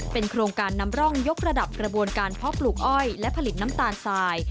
เป็นโครงการนำร่องยกระดับกระบวนการเพาะปลูกอ้อยและผลิตน้ำตาลทราย